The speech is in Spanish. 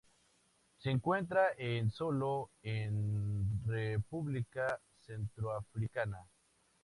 Se encuentra en sólo en República Centroafricana.